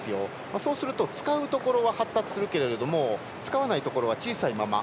そうすると使うところは発達しますけれども使わないところは小さいまま。